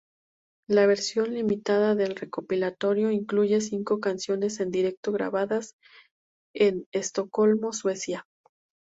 La versión limitada del recopilatorio incluye cinco canciones en directo grabadas en Estocolmo, Suecia.